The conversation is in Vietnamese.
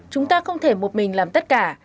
chúng ta không thể một mình làm tất cả